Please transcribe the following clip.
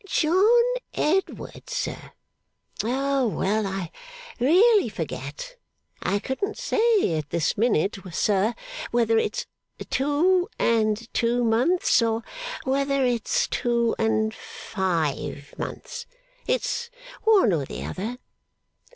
') 'John Edward, sir? Well, I really forget. I couldn't say at this minute, sir, whether it's two and two months, or whether it's two and five months. It's one or the other.